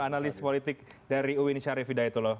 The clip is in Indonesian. analis politik dari uin syarif hidayatullah